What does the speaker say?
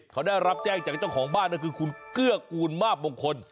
เขาได้รับแจ้งจากเจ้าของบ้านก็คือคุณเกื้อกูลมาบมงคล